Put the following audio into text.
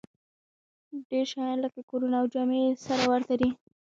ډېر شیان لکه کورونه او جامې یې سره ورته دي